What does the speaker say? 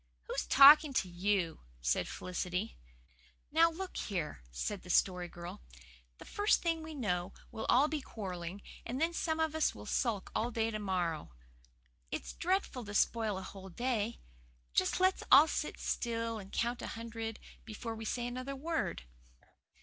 "Who's talking to you?" said Felicity. "Now, look here," said the Story Girl, "the first thing we know we'll all be quarrelling, and then some of us will sulk all day to morrow. It's dreadful to spoil a whole day. Just let's all sit still and count a hundred before we say another word."